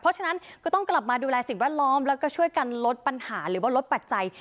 เพราะฉะนั้นก็ต้องกลับมาดูแลสิ่งแวดล้อมแล้วก็ช่วยกันลดปัญหาหรือว่าลดปัจจัย